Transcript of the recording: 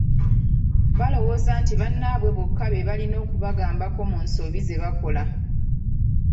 Balowooza nti bannaabwe bokka be balina okubagambako mu nsobi ze bakola.